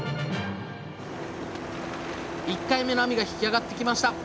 １回目の網が引き上がってきました。